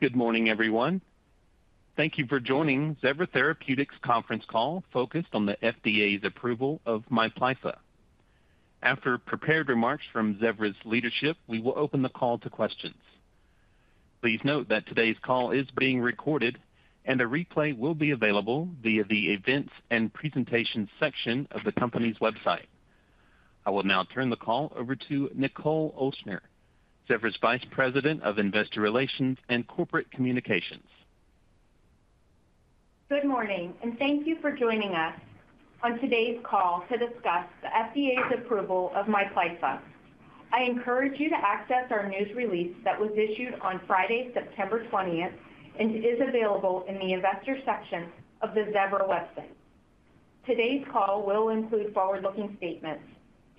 Good morning, everyone. Thank you for joining Zevra Therapeutics conference call, focused on the FDA's approval of MIPLYFFA. After prepared remarks from Zevra's leadership, we will open the call to questions. Please note that today's call is being recorded, and a replay will be available via the Events and Presentation section of the company's website. I will now turn the call over to Nichol Ochsner, Zevra's Vice President of Investor Relations and Corporate Communications. Good morning, and thank you for joining us on today's call to discuss the FDA's approval of MIPLYFFA. I encourage you to access our news release that was issued on Friday, September 20th, and it is available in the investor section of the Zevra Therapeutics website. Today's call will include forward-looking statements.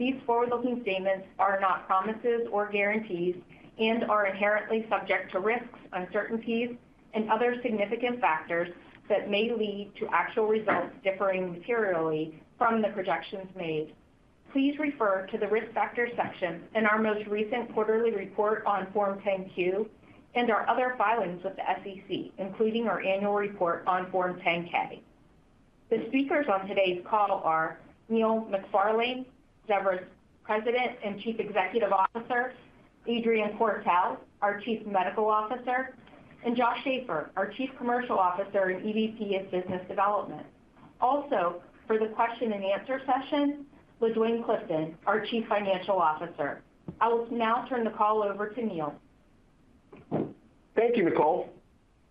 These forward-looking statements are not promises or guarantees and are inherently subject to risks, uncertainties, and other significant factors that may lead to actual results differing materially from the projections made. Please refer to the Risk Factors section in our most recent quarterly report on Form 10-Q and our other filings with the SEC, including our annual report on Form 10-K. The speakers on today's call are Neil McFarlane, Zevra's President and Chief Executive Officer. Adrian Quartel, our Chief Medical Officer. And Josh Schafer, our Chief Commercial Officer and EVP of Business Development. Also, for the question and answer session, LaDuane Clifton, our Chief Financial Officer. I will now turn the call over to Neil. Thank you, Nichol,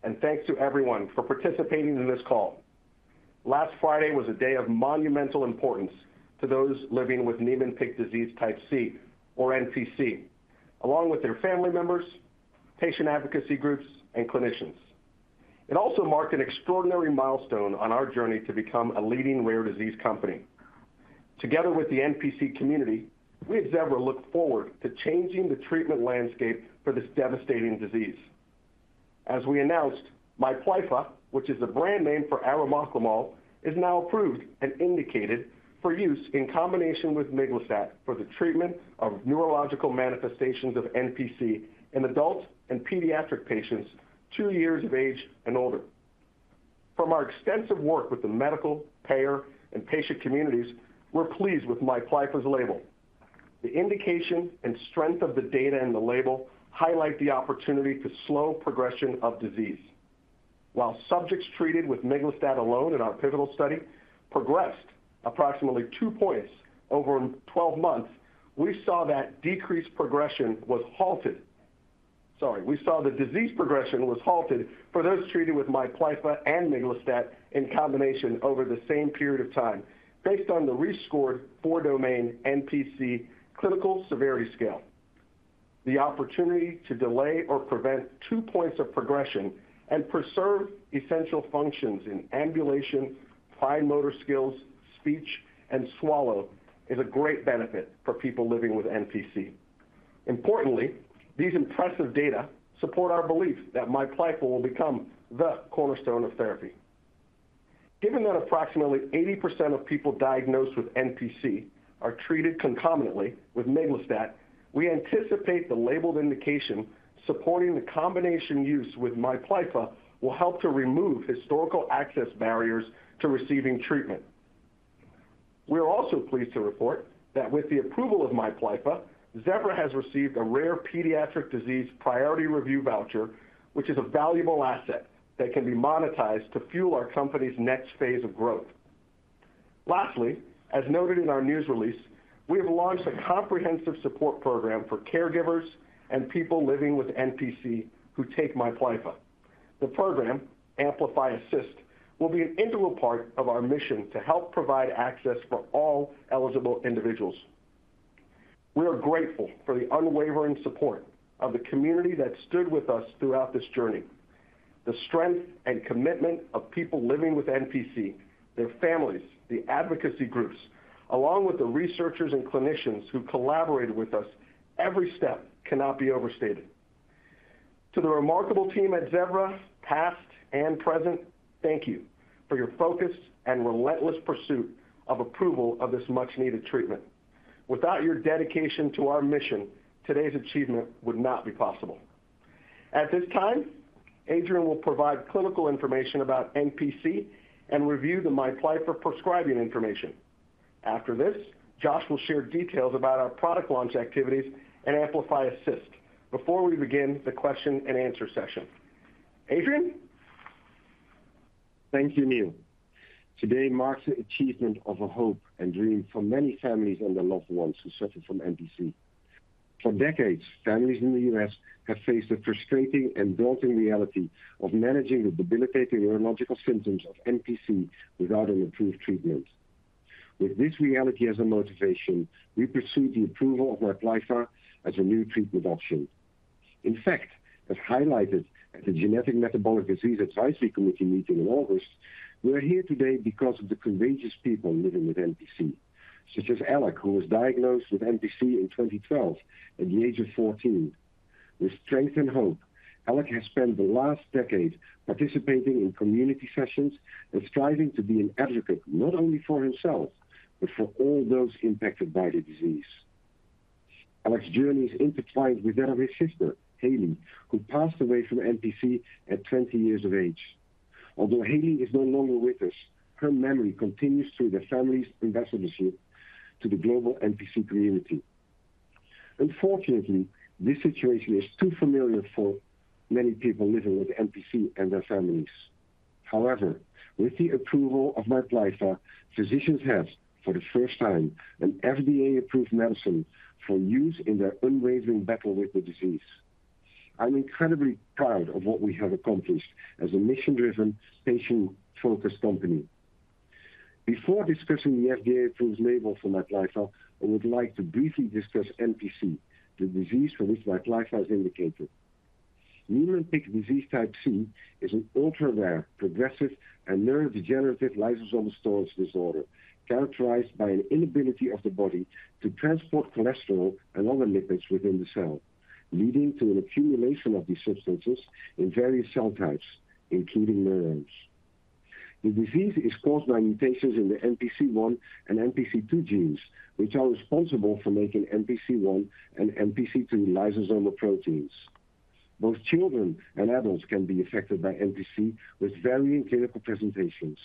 and thanks to everyone for participating in this call. Last Friday was a day of monumental importance to those living with Niemann-Pick disease type C, or NPC, along with their family members, patient advocacy groups, and clinicians. It also marked an extraordinary milestone on our journey to become a leading rare disease company. Together with the NPC community, we at Zevra Therapeutics look forward to changing the treatment landscape for this devastating disease. As we announced, MIPLYFFA, which is the brand name for arimoclomol, is now approved and indicated for use in combination with miglustat for the treatment of neurological manifestations of NPC in adult and pediatric patients two years of age and older. From our extensive work with the medical, payer, and patient communities, we're pleased with MIPLYFFA's label. The indication and strength of the data in the label highlight the opportunity to slow progression of disease. While subjects treated with miglustat alone in our pivotal study progressed approximately two points over twelve months, we saw that decreased progression was halted. Sorry. We saw the disease progression was halted for those treated with MIPLYFFA and miglustat in combination over the same period of time, based on the rescored 4-Domain NPC Clinical Severity Scale. The opportunity to delay or prevent two points of progression and preserve essential functions in ambulation, fine motor skills, speech, and swallow is a great benefit for people living with NPC. Importantly, these impressive data support our belief that MIPLYFFA will become the cornerstone of therapy. Given that approximately 80% of people diagnosed with NPC are treated concomitantly with miglustat, we anticipate the labeled indication supporting the combination use with MIPLYFFA will help to remove historical access barriers to receiving treatment. We are also pleased to report that with the approval of MIPLYFFA, Zevra has received a rare pediatric disease priority review voucher, which is a valuable asset that can be monetized to fuel our company's next phase of growth. Lastly, as noted in our news release, we have launched a comprehensive support program for caregivers and people living with NPC who take MIPLYFFA. The program, AmplifyAssist, will be an integral part of our mission to help provide access for all eligible individuals. We are grateful for the unwavering support of the community that stood with us throughout this journey. The strength and commitment of people living with NPC, their families, the advocacy groups, along with the researchers and clinicians who collaborated with us every step, cannot be overstated. To the remarkable team at Zevra Therapeutics, past and present, thank you for your focus and relentless pursuit of approval of this much-needed treatment. Without your dedication to our mission, today's achievement would not be possible. At this time, Adrian will provide clinical information about NPC and review the MIPLYFFA prescribing information. After this, Josh will share details about our product launch activities and AmplifyAssist before we begin the question and answer session. Adrian? Thank you, Neil. Today marks the achievement of a hope and dream for many families and their loved ones who suffer from NPC. For decades, families in the U.S. have faced the frustrating and daunting reality of managing the debilitating neurological symptoms of NPC without an approved treatment. With this reality as a motivation, we pursued the approval of MIPLYFFA as a new treatment option. In fact, as highlighted at the Genetic Metabolic Diseases Advisory Committee meeting in August, we are here today because of the courageous people living with NPC, such as Alec, who was diagnosed with NPC in 2012 at the age of fourteen. With strength and hope, Alec has spent the last decade participating in community sessions and striving to be an advocate, not only for himself, but for all those impacted by the disease. Alec's journey is intertwined with that of his sister, Haley, who passed away from NPC at 20 years of age. Although Haley is no longer with us, her memory continues through the family's ambassadorship to the global NPC community. Unfortunately, this situation is too familiar for many people living with NPC and their families. However, with the approval of MIPLYFFA, physicians have, for the first time, an FDA-approved medicine for use in their unwavering battle with the disease. I'm incredibly proud of what we have accomplished as a mission-driven, patient-focused company. Before discussing the FDA-approved label for MIPLYFFA, I would like to briefly discuss NPC, the disease for which MIPLYFFA is indicated. Niemann-Pick disease type C is an ultra-rare, progressive, and neurodegenerative lysosomal storage disorder, characterized by an inability of the body to transport cholesterol and other lipids within the cell, leading to an accumulation of these substances in various cell types, including neurons. The disease is caused by mutations in the NPC1 and NPC2 genes, which are responsible for making NPC1 and NPC2 lysosomal proteins. Both children and adults can be affected by NPC, with varying clinical presentations.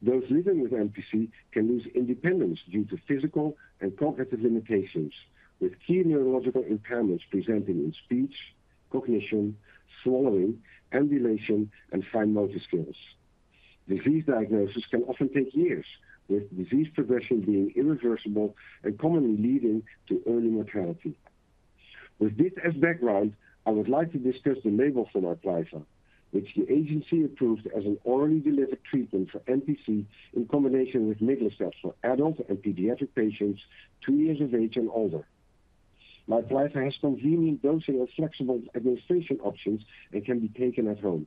Those living with NPC can lose independence due to physical and cognitive limitations, with key neurological impairments presenting in speech, cognition, swallowing, ambulation, and fine motor skills. Disease diagnosis can often take years, with disease progression being irreversible and commonly leading to early mortality. With this as background, I would like to discuss the label for MIPLYFFA, which the agency approved as an orally delivered treatment for NPC, in combination with miglustat for adult and pediatric patients two years of age and older. MIPLYFFA has convenient dosing or flexible administration options and can be taken at home.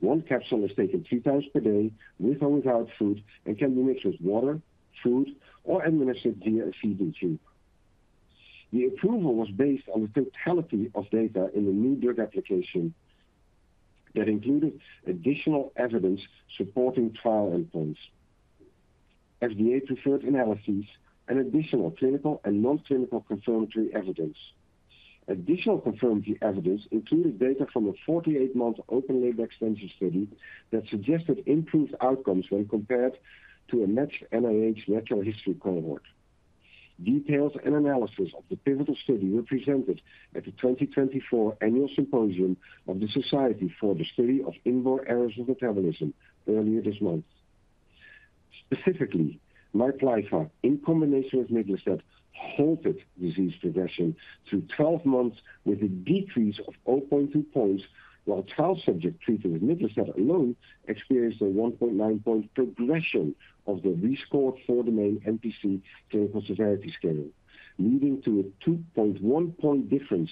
One capsule is taken three times per day, with or without food, and can be mixed with water, food, or administered via a feeding tube. The approval was based on the totality of data in the new drug application that included additional evidence supporting trial endpoints, FDA-preferred analyses, and additional clinical and non-clinical confirmatory evidence. Additional confirmatory evidence included data from a 48 month open-label extension study that suggested improved outcomes when compared to a matched NIH natural history cohort. Details and analysis of the pivotal study were presented at the 2024 Annual Symposium of the Society for the Study of Inborn Errors of Metabolism earlier this month. Specifically, MIPLYFFA, in combination with miglustat, halted disease progression through 12 months with a decrease of 0.2 points, while trial subjects treated with miglustat alone experienced a 1.9-point progression of the score for the 4-Domain NPC Clinical Severity Scale, leading to a 2.1-point difference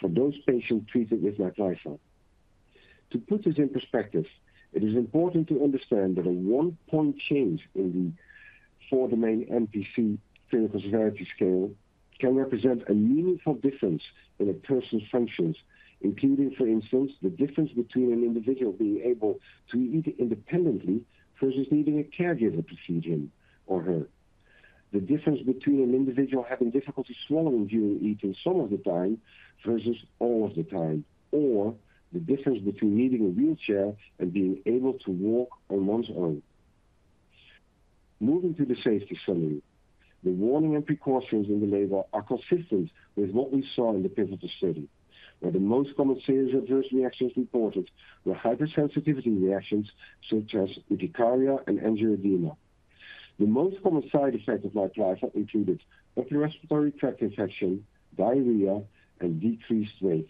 for those patients treated with MIPLYFFA. To put this in perspective, it is important to understand that a one-point change in the 4-Domain NPC Clinical Severity Scale can represent a meaningful difference in a person's functions, including, for instance, the difference between an individual being able to eat independently versus needing a caregiver to feed him or her. The difference between an individual having difficulty swallowing during eating some of the time versus all of the time, or the difference between needing a wheelchair and being able to walk on one's own. Moving to the safety summary, the warning and precautions in the label are consistent with what we saw in the pivotal study, where the most common serious adverse reactions reported were hypersensitivity reactions such as urticaria and angioedema. The most common side effects of MIPLYFFA included upper respiratory tract infection, diarrhea, and decreased weight.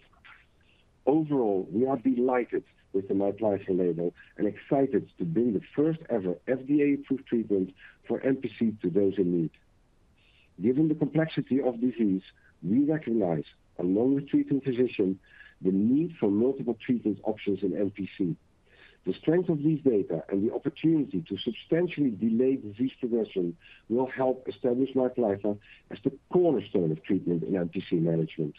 Overall, we are delighted with the MIPLYFFA label and excited to bring the first-ever FDA-approved treatment for NPC to those in need. Given the complexity of disease, we recognize, along with treating physician, the need for multiple treatment options in NPC. The strength of these data and the opportunity to substantially delay disease progression will help establish MIPLYFFA as the cornerstone of treatment in NPC management.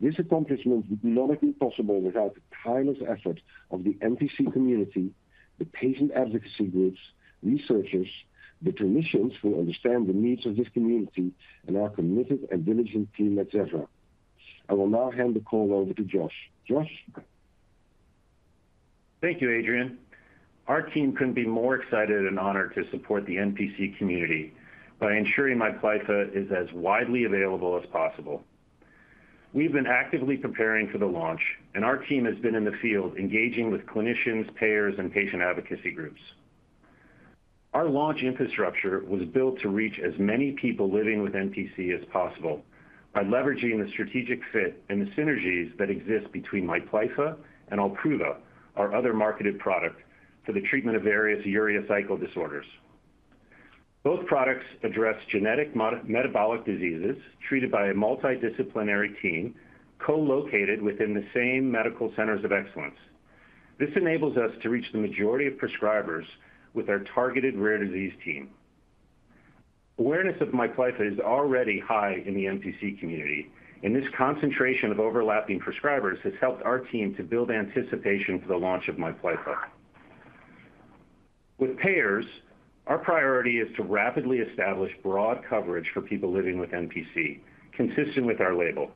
This accomplishment would not have been possible without the tireless efforts of the NPC community, the patient advocacy groups, researchers, the clinicians who understand the needs of this community, and our committed and diligent team at Zevra. I will now hand the call over to Josh. Josh? Thank you, Adrian. Our team couldn't be more excited and honored to support the NPC community by ensuring MIPLYFFA is as widely available as possible. We've been actively preparing for the launch, and our team has been in the field engaging with clinicians, payers, and patient advocacy groups. Our launch infrastructure was built to reach as many people living with NPC as possible by leveraging the strategic fit and the synergies that exist between MIPLYFFA and OLPRUVA, our other marketed product for the treatment of various urea cycle disorders. Both products address genetic metabolic diseases treated by a multidisciplinary team, co-located within the same medical centers of excellence. This enables us to reach the majority of prescribers with our targeted rare disease team. Awareness of MIPLYFFA is already high in the NPC community, and this concentration of overlapping prescribers has helped our team to build anticipation for the launch of MIPLYFFA. With payers, our priority is to rapidly establish broad coverage for people living with NPC, consistent with our label.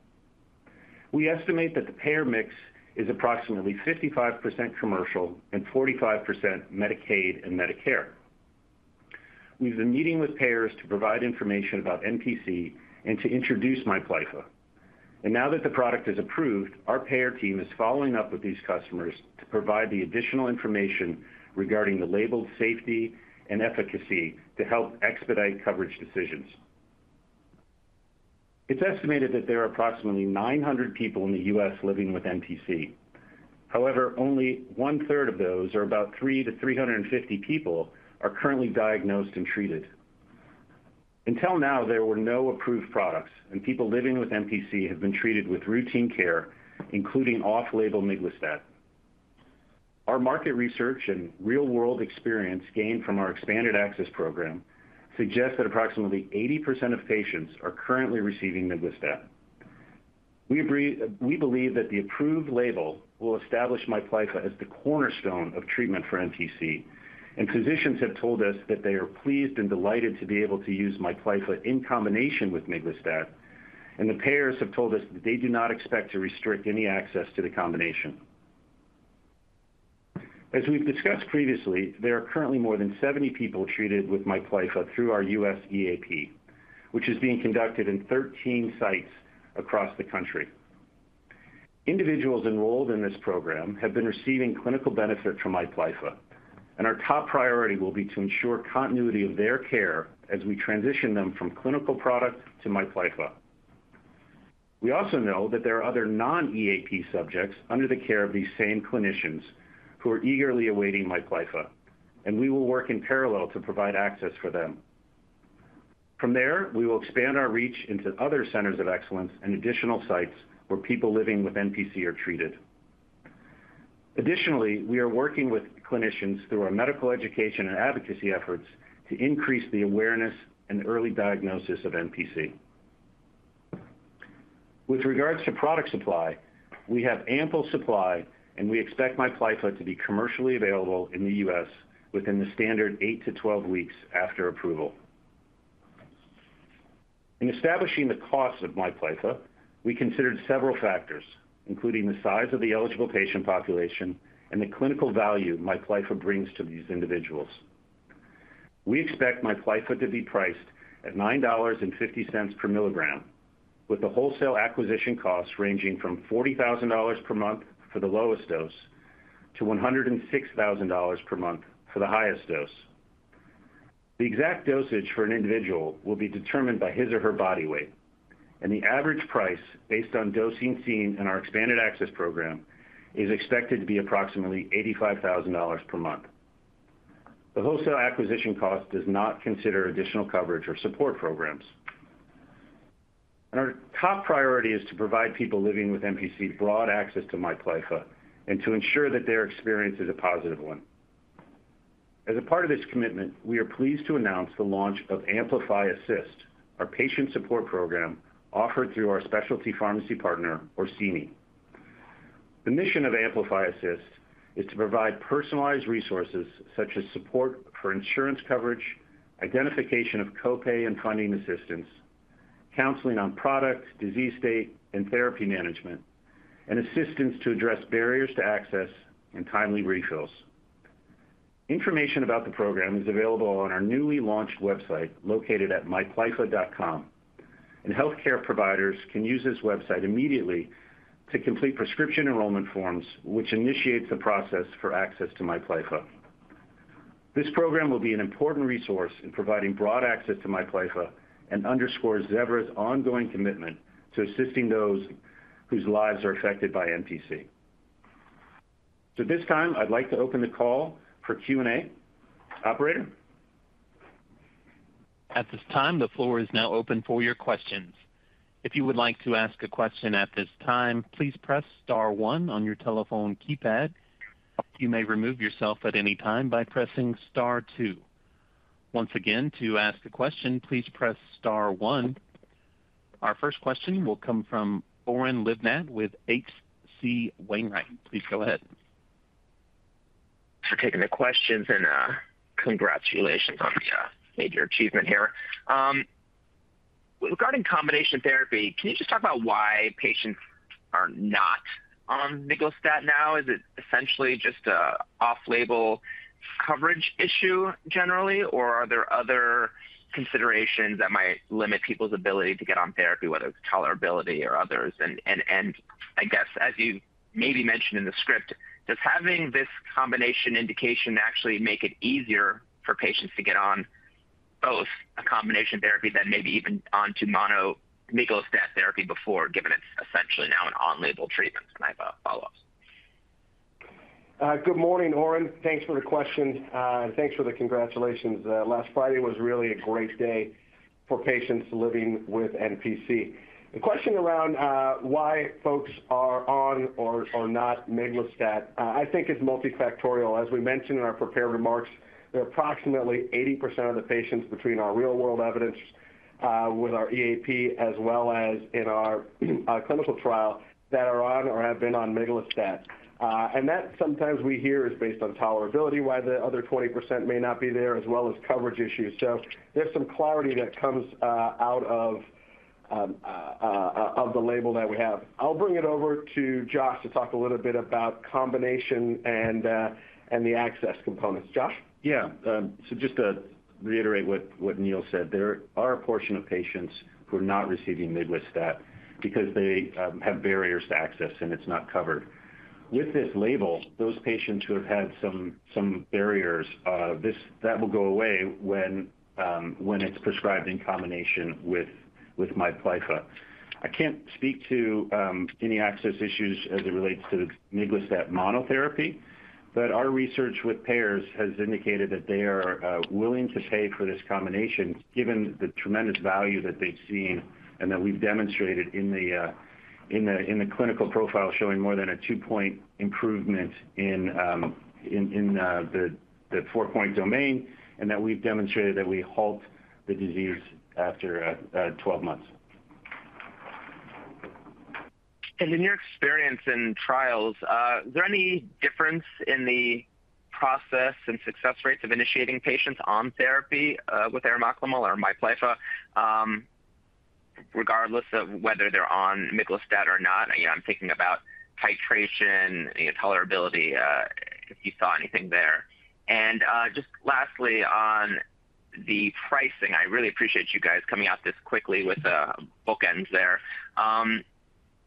We estimate that the payer mix is approximately 55% commercial and 45% Medicaid and Medicare. We've been meeting with payers to provide information about NPC and to introduce MIPLYFFA. And now that the product is approved, our payer team is following up with these customers to provide the additional information regarding the labeled safety and efficacy to help expedite coverage decisions. It's estimated that there are approximately 900 people in the U.S. living with NPC. However, only one-third of those, or about 300 to 350 people, are currently diagnosed and treated. Until now, there were no approved products, and people living with NPC have been treated with routine care, including off-label miglustat. Our market research and real-world experience gained from our expanded access program suggest that approximately 80% of patients are currently receiving miglustat. We believe that the approved label will establish MIPLYFFA as the cornerstone of treatment for NPC, and physicians have told us that they are pleased and delighted to be able to use MIPLYFFA in combination with miglustat, and the payers have told us that they do not expect to restrict any access to the combination. As we've discussed previously, there are currently more than 70 people treated with MIPLYFFA through our U.S. EAP, which is being conducted in 13 sites across the country. Individuals enrolled in this program have been receiving clinical benefit from MIPLYFFA, and our top priority will be to ensure continuity of their care as we transition them from clinical product to MIPLYFFA. We also know that there are other non-EAP subjects under the care of these same clinicians who are eagerly awaiting MIPLYFFA, and we will work in parallel to provide access for them. From there, we will expand our reach into other centers of excellence and additional sites where people living with NPC are treated. Additionally, we are working with clinicians through our medical education and advocacy efforts to increase the awareness and early diagnosis of NPC. With regards to product supply, we have ample supply, and we expect MIPLYFFA to be commercially available in the U.S. within the standard eight to 12 weeks after approval. In establishing the cost of MIPLYFFA, we considered several factors, including the size of the eligible patient population and the clinical value MIPLYFFA brings to these individuals. We expect MIPLYFFA to be priced at $9.50 per milligram, with the wholesale acquisition costs ranging from $40,000 per month for the lowest dose to $106,000 per month for the highest dose. The exact dosage for an individual will be determined by his or her body weight, and the average price, based on dosing seen in our expanded access program, is expected to be approximately $85,000 per month. The wholesale acquisition cost does not consider additional coverage or support programs, and our top priority is to provide people living with NPC broad access to MIPLYFFA and to ensure that their experience is a positive one. As a part of this commitment, we are pleased to announce the launch of AmplifyAssist, our patient support program offered through our specialty pharmacy partner, Orsini. The mission of AmplifyAssist is to provide personalized resources, such as support for insurance coverage, identification of copay and funding assistance, counseling on product, disease state, and therapy management, and assistance to address barriers to access and timely refills. Information about the program is available on our newly launched website, located at miplyffa.com, and healthcare providers can use this website immediately to complete prescription enrollment forms, which initiates the process for access to MIPLYFFA. This program will be an important resource in providing broad access to MIPLYFFA and underscores Zevra's ongoing commitment to assisting those whose lives are affected by NPC. So at this time, I'd like to open the call for Q&A. Operator? At this time, the floor is now open for your questions. If you would like to ask a question at this time, please press star one on your telephone keypad. You may remove yourself at any time by pressing star two. Once again, to ask a question, please press star one. Our first question will come from Oren Livnat with H.C. Wainwright. Please go ahead. Thanks for taking the questions, and congratulations on the major achievement here. Regarding combination therapy, can you just talk about why patients are not on miglustat now? Is it essentially just a off-label coverage issue generally, or are there other considerations that might limit people's ability to get on therapy, whether it's tolerability or others? And I guess, as you maybe mentioned in the script, does having this combination indication actually make it easier for patients to get on both a combination therapy than maybe even onto mono miglustat therapy before, given it's essentially now an on-label treatment? And I have follow-ups. Good morning, Oren. Thanks for the question. And thanks for the congratulations. Last Friday was really a great day for patients living with NPC. The question around why folks are on or not miglustat, I think is multifactorial. As we mentioned in our prepared remarks, there are approximately 80% of the patients between our real-world evidence-... with our EAP as well as in our clinical trial, that are on or have been on miglustat. And that sometimes we hear is based on tolerability, why the other 20% may not be there, as well as coverage issues. So there's some clarity that comes out of the label that we have. I'll bring it over to Josh to talk a little bit about combination and the access components. Josh? Yeah. So just to reiterate what Neil said, there are a portion of patients who are not receiving miglustat because they have barriers to access, and it's not covered. With this label, those patients who have had some barriers, that will go away when it's prescribed in combination with MIPLYFFA. I can't speak to any access issues as it relates to miglustat monotherapy, but our research with payers has indicated that they are willing to pay for this combination, given the tremendous value that they've seen and that we've demonstrated in the clinical profile, showing more than a two-point improvement in the four-point domain, and that we've demonstrated that we halt the disease after 12 months. And in your experience in trials, is there any difference in the process and success rates of initiating patients on therapy, with arimoclomol or MIPLYFFA, regardless of whether they're on miglustat or not? You know, I'm thinking about titration, the tolerability, if you saw anything there. And, just lastly, on the pricing, I really appreciate you guys coming out this quickly with the bookends there.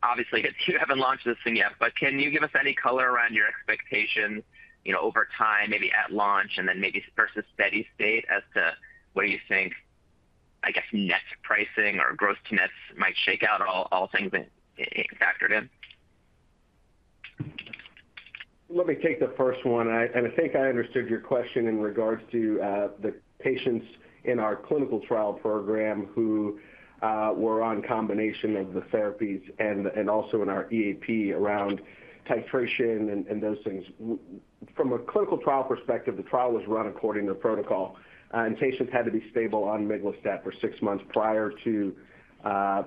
Obviously, you haven't launched this thing yet, but can you give us any color around your expectations, you know, over time, maybe at launch and then maybe versus steady state, as to what do you think, I guess, net pricing or gross to net might shake out, all things being factored in? Let me take the first one. I think I understood your question in regards to, the patients in our clinical trial program who, were on combination of the therapies and also in our EAP around titration and those things. From a clinical trial perspective, the trial was run according to protocol, and patients had to be stable on miglustat for six months prior to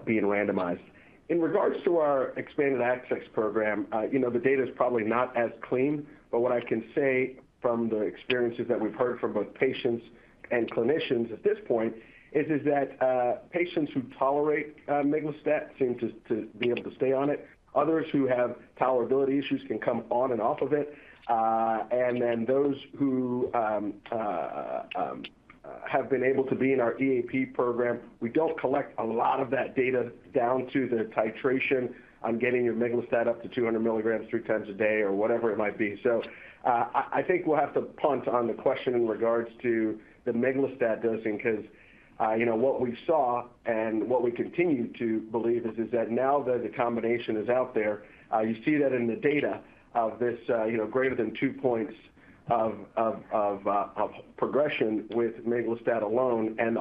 being randomized. In regards to our expanded access program, you know, the data is probably not as clean, but what I can say from the experiences that we've heard from both patients and clinicians at this point is that patients who tolerate miglustat seem to be able to stay on it. Others who have tolerability issues can come on and off of it. Then those who have been able to be in our EAP program, we don't collect a lot of that data down to the titration on getting your miglustat up to 200 mg, three times a day or whatever it might be. So, I think we'll have to punt on the question in regards to the miglustat dosing, 'cause, you know, what we saw and what we continue to believe is that now that the combination is out there, you see that in the data of this, you know, greater than two points of progression with miglustat alone and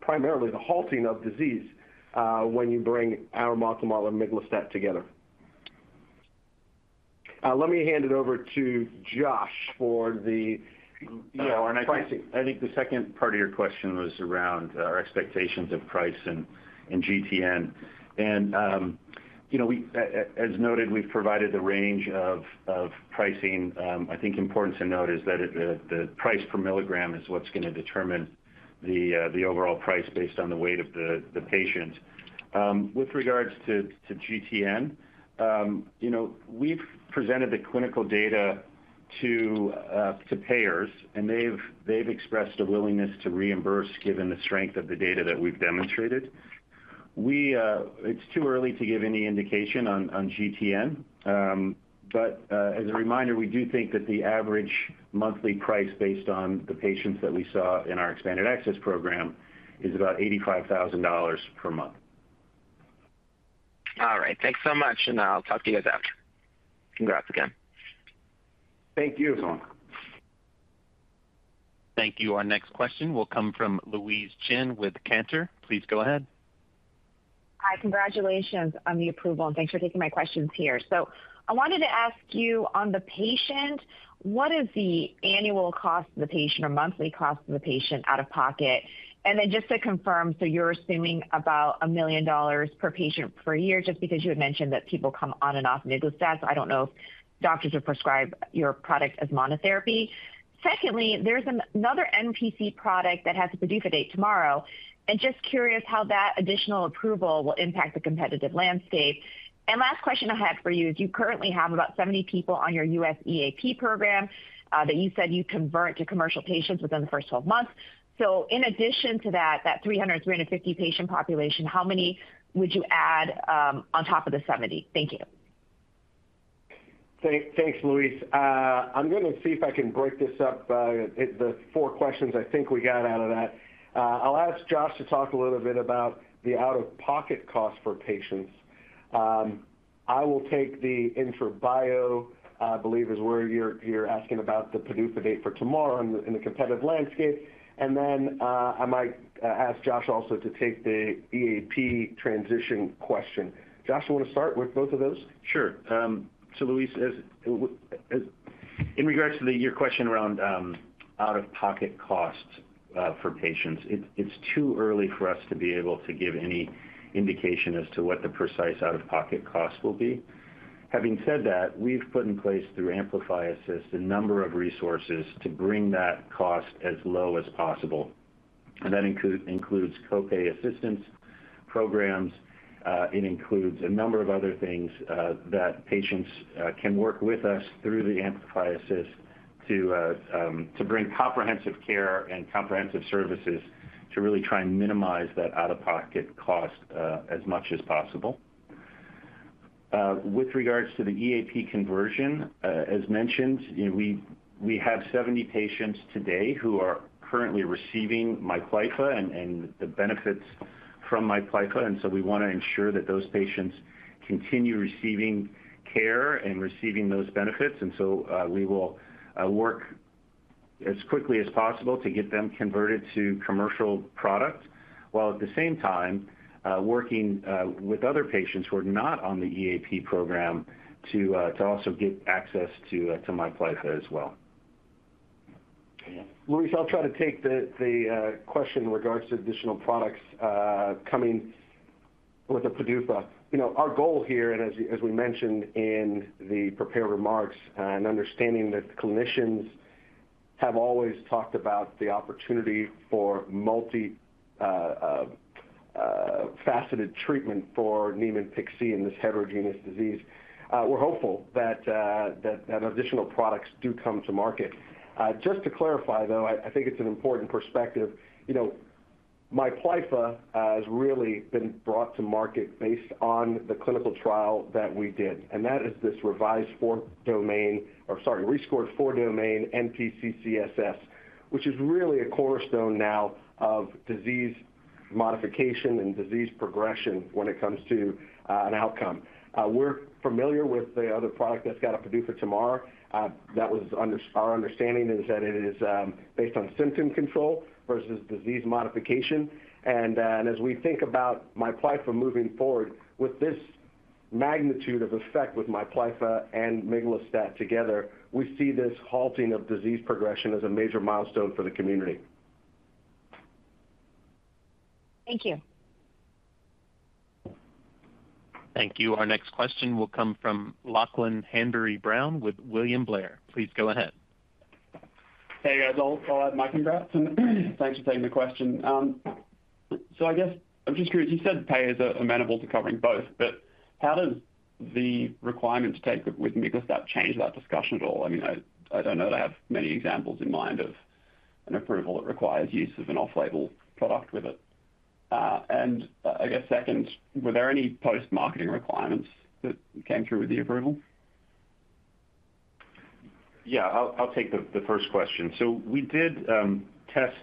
primarily the halting of disease, when you bring arimoclomol and miglustat together. Let me hand it over to Josh for the, you know, pricing. Yeah, and I think the second part of your question was around our expectations of price and GTN. And, you know, as noted, we've provided the range of pricing. I think important to note is that the price per milligram is what's gonna determine the overall price based on the weight of the patient. With regards to GTN, you know, we've presented the clinical data to payers, and they've expressed a willingness to reimburse, given the strength of the data that we've demonstrated. We... It's too early to give any indication on GTN. But, as a reminder, we do think that the average monthly price, based on the patients that we saw in our expanded access program, is about $85,000 per month. All right. Thanks so much, and I'll talk to you guys after. Congrats again. Thank you. Thanks a lot. Thank you. Our next question will come from Louise Chen with Cantor. Please go ahead. Hi, congratulations on the approval, and thanks for taking my questions here. I wanted to ask you, on the patient, what is the annual cost to the patient or monthly cost to the patient out of pocket? Then just to confirm, you're assuming about $1 million per patient per year, just because you had mentioned that people come on and off miglustat, so I don't know if doctors would prescribe your product as monotherapy. Secondly, there's another NPC product that has a PDUFA date tomorrow, and just curious how that additional approval will impact the competitive landscape. Last question I had for you is: You currently have about 70 people on your U.S. EAP program that you said you'd convert to commercial patients within the first 12 months. In addition to that, that 300 and 350 patient population, how many would you add on top of the 70? Thank you. Thanks, Louise. I'm gonna see if I can break this up by the four questions I think we got out of that. I'll ask Josh to talk a little bit about the out-of-pocket costs for patients. I will take the IntraBio. I believe is where you're asking about the PDUFA date for tomorrow and the competitive landscape. Then, I might ask Josh also to take the EAP transition question. Josh, you want to start with both of those? Sure. So Louise, in regards to your question around out-of-pocket costs for patients, it's too early for us to be able to give any indication as to what the precise out-of-pocket costs will be. Having said that, we've put in place, through AmplifyAssist, a number of resources to bring that cost as low as possible, and that includes copay assistance programs. It includes a number of other things that patients can work with us through the AmplifyAssist to bring comprehensive care and comprehensive services to really try and minimize that out-of-pocket cost as much as possible. With regards to the EAP conversion, as mentioned, you know, we have 70 patients today who are currently receiving MIPLYFFA and the benefits from MIPLYFFA, and so we want to ensure that those patients continue receiving care and receiving those benefits. And so, we will work as quickly as possible to get them converted to commercial products, while at the same time, working with other patients who are not on the EAP program to also get access to MIPLYFFA as well. Louise, I'll try to take the question in regards to additional products coming with the PDUFA. You know, our goal here, and as we mentioned in the prepared remarks, and understanding that clinicians have always talked about the opportunity for multi-faceted treatment for Niemann-Pick C in this heterogeneous disease, we're hopeful that additional products do come to market. Just to clarify, though, I think it's an important perspective. You know, MIPLYFFA has really been brought to market based on the clinical trial that we did, and that is this revised four-domain, or sorry, rescored four-domain NPC-CSS, which is really a cornerstone now of disease modification and disease progression when it comes to an outcome. We're familiar with the other product that's got a PDUFA tomorrow. Under our understanding is that it is based on symptom control versus disease modification. As we think about MIPLYFFA moving forward, with this magnitude of effect with MIPLYFFA and miglustat together, we see this halting of disease progression as a major milestone for the community. Thank you. Thank you. Our next question will come from Lachlan Hanbury-Brown with William Blair. Please go ahead. Hey, guys. I'll add my congrats, and thanks for taking the question. So I guess I'm just curious. You said payers are amenable to covering both, but how does the requirements take with miglustat change that discussion at all? I mean, I don't know that I have many examples in mind of an approval that requires use of an off-label product with it. And I guess second, were there any post-marketing requirements that came through with the approval? Yeah, I'll take the first question. So we did test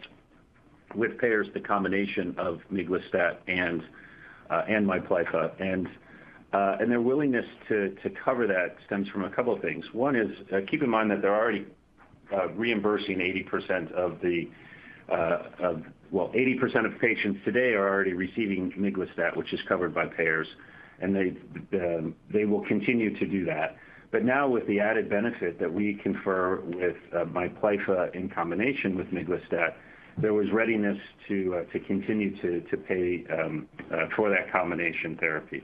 with payers the combination of miglustat and MIPLYFFA. And their willingness to cover that stems from a couple of things. One is, keep in mind that they're already reimbursing 80% of patients today are already receiving miglustat, which is covered by payers, and they will continue to do that. But now with the added benefit that we confer with MIPLYFFA in combination with miglustat, there was readiness to continue to pay for that combination therapy.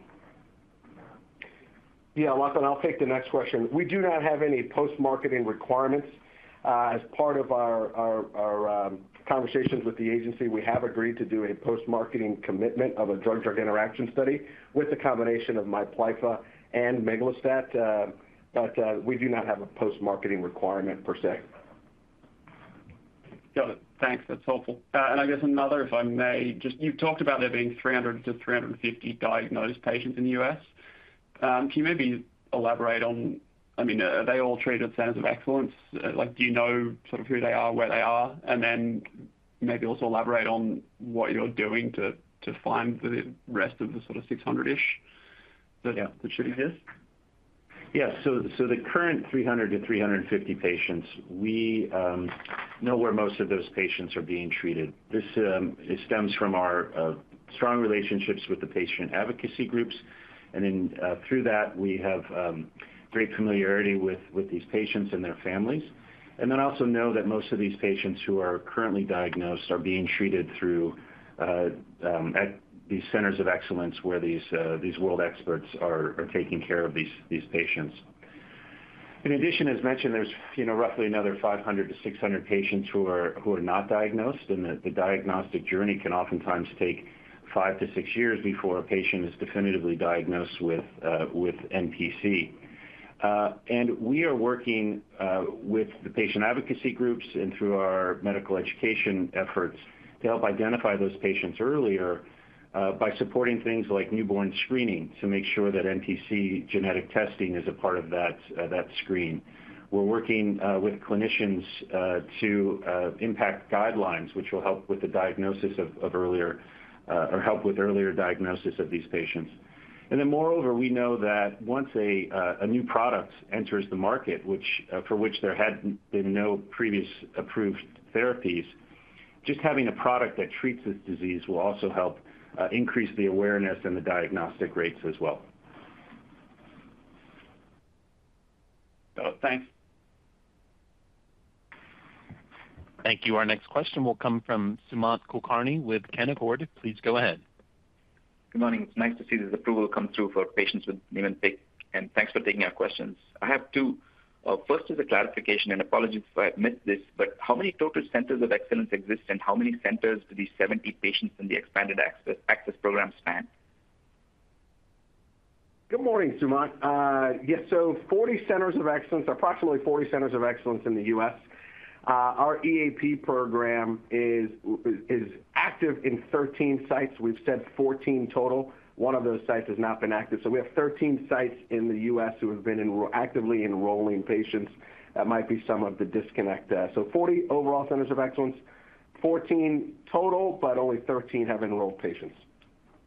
Yeah, Lachlan, I'll take the next question. We do not have any post-marketing requirements. As part of our conversations with the agency, we have agreed to do a post-marketing commitment of a drug-drug interaction study with the combination of MIPLYFFA and miglustat, but we do not have a post-marketing requirement per se. Got it. Thanks. That's helpful. And I guess another, if I may, just you've talked about there being 300 to 350 diagnosed patients in the U.S. Can you maybe elaborate on... I mean, are they all treated at centers of excellence? Like, do you know sort of who they are, where they are? And then maybe also elaborate on what you're doing to find the rest of the sort of 600-ish that should exist. Yes. So the current 300-350 patients, we know where most of those patients are being treated. This stems from our strong relationships with the patient advocacy groups, and then through that, we have great familiarity with these patients and their families, and we also know that most of these patients who are currently diagnosed are being treated at these centers of excellence, where these world experts are taking care of these patients. In addition, as mentioned, there's, you know, roughly another 500-600 patients who are not diagnosed, and the diagnostic journey can oftentimes take five to six years before a patient is definitively diagnosed with NPC. And we are working with the patient advocacy groups and through our medical education efforts to help identify those patients earlier by supporting things like newborn screening to make sure that NPC genetic testing is a part of that screen. We're working with clinicians to impact guidelines, which will help with the diagnosis or help with earlier diagnosis of these patients. And then moreover, we know that once a new product enters the market for which there had been no previous approved therapies. Just having a product that treats this disease will also help increase the awareness and the diagnostic rates as well. Oh, thanks! Thank you. Our next question will come from Sumant Kulkarni with Canaccord. Please go ahead. Good morning. It's nice to see this approval come through for patients with Niemann-Pick, and thanks for taking our questions. I have two. First is a clarification, and apologies if I missed this, but how many total centers of excellence exist, and how many centers do these 70 patients in the expanded access program span? Good morning, Sumant. Yes, so 40 centers of excellence, approximately 40 centers of excellence in the US. Our EAP program is active in 13 sites. We've said 14 total. One of those sites has not been active, so we have 13 sites in the U.S. who have been actively enrolling patients. That might be some of the disconnect there. So 40 overall centers of excellence, 14 total, but only 13 have enrolled patients.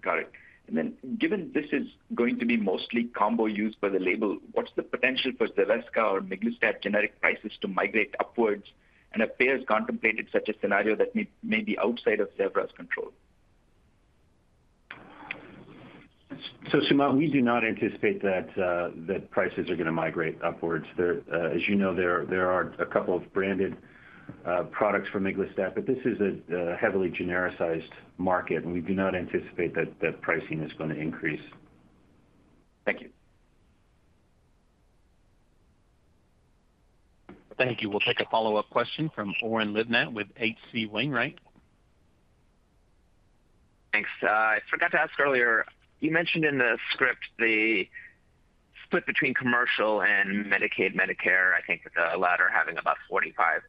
Got it, and then, given this is going to be mostly combo use for the label, what's the potential for Zavesca or miglustat generic prices to migrate upwards, and have payers contemplated such a scenario that may be outside of Zevra's control? Sumant, we do not anticipate that prices are going to migrate upwards. There. As you know, there are a couple of branded products for miglustat, but this is a heavily genericized market, and we do not anticipate that pricing is going to increase. Thank you. Thank you. We'll take a follow-up question from Oren Livnat with H.C. Wainwright. Thanks. I forgot to ask earlier, you mentioned in the script the split between commercial and Medicaid, Medicare, I think the latter having about 45%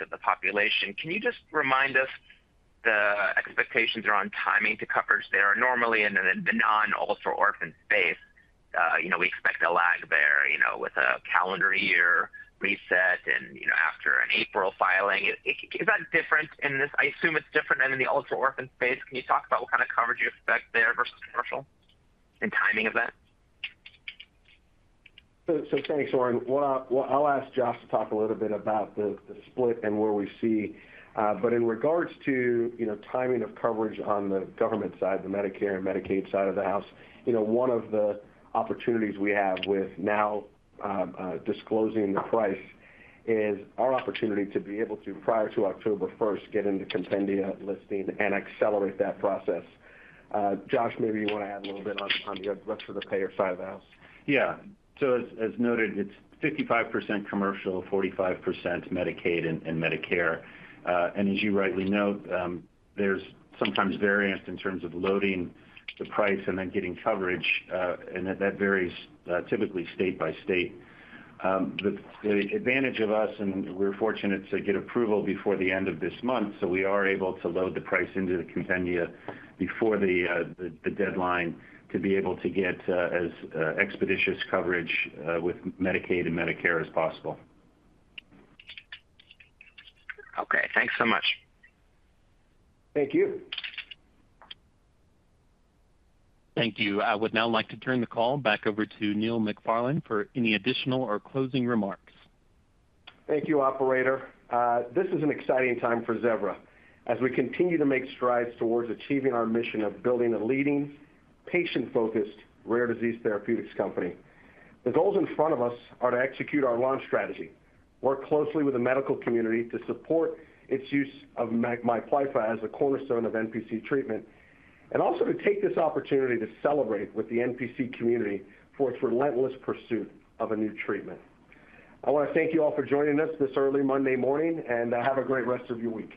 of the population. Can you just remind us the expectations around timing to coverage there? Normally in the non-ultra-orphan space, you know, we expect a lag there, you know, with a calendar year reset and, you know, after an April filing. Is that different in this? I assume it's different than in the ultra-orphan space. Can you talk about what kind of coverage you expect there versus commercial and timing of that? So thanks, Oren. Well, I'll ask Josh to talk a little bit about the split and where we see, but in regards to, you know, timing of coverage on the government side, the Medicare and Medicaid side of the house, you know, one of the opportunities we have with now disclosing the price is our opportunity to be able to, prior to October first, get into compendia listing and accelerate that process. Josh, maybe you want to add a little bit on the rest of the payer side of the house. Yeah. So as noted, it's 55% commercial, 45% Medicaid and Medicare. And as you rightly note, there's sometimes variance in terms of loading the price and then getting coverage, and that varies, typically state by state. The advantage of us, and we're fortunate to get approval before the end of this month, so we are able to load the price into the compendia before the deadline to be able to get as expeditious coverage with Medicaid and Medicare as possible. Okay, thanks so much. Thank you. Thank you. I would now like to turn the call back over to Neil McFarlane for any additional or closing remarks. Thank you, operator. This is an exciting time for Zevra as we continue to make strides towards achieving our mission of building a leading, patient-focused, rare disease therapeutics company. The goals in front of us are to execute our launch strategy, work closely with the medical community to support its use of MIPLYFFA as a cornerstone of NPC treatment, and also to take this opportunity to celebrate with the NPC community for its relentless pursuit of a new treatment. I want to thank you all for joining us this early Monday morning, and have a great rest of your week.